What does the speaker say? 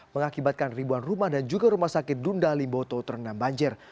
mengakibatkan ribuan rumah dan juga rumah sakit dunda limboto terendam banjir